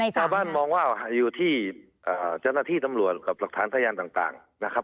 ชาวบ้านมองว่าอยู่ที่เจ้าหน้าที่ตำรวจกับหลักฐานพยานต่างนะครับ